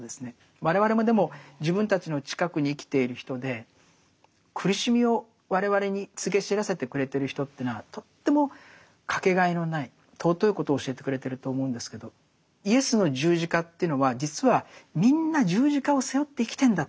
我々もでも自分たちの近くに生きている人で苦しみを我々に告げ知らせてくれてる人というのはとっても掛けがえのない尊いことを教えてくれてると思うんですけどイエスの十字架というのは実はそれぞれが。